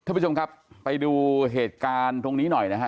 ท่านผู้ชมครับไปดูเหตุการณ์ตรงนี้หน่อยนะฮะ